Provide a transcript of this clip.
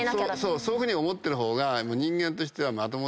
そういうふうに思ってる方が人間としてはまともだよね。